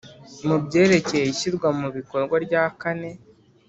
Mu byerekeye ishyirwa mu bikorwa rya kane